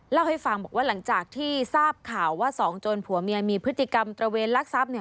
เล่าให้ฟังบอกว่าหลังจากที่ทราบข่าวว่าสองโจรผัวเมียมีพฤติกรรมตระเวนลักทรัพย์เนี่ย